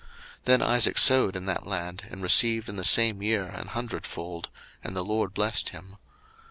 01:026:012 Then Isaac sowed in that land, and received in the same year an hundredfold: and the LORD blessed him.